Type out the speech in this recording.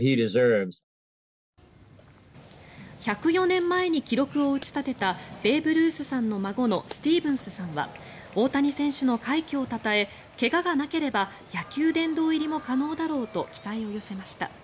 １０４年前に記録を打ち立てたベーブ・ルースの孫のスティーブンスさんは大谷選手の快挙をたたえ怪我がなければ野球殿堂入りも可能だろうと期待を寄せました。